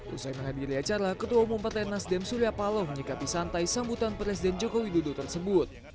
usai menghadiri acara ketua umum pt nasdem surya palo menyikapi santai sambutan presiden jokowi dodo tersebut